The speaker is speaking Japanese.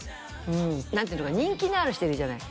うん何ていうの人気のある人いるじゃない？